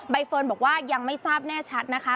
เฟิร์นบอกว่ายังไม่ทราบแน่ชัดนะคะ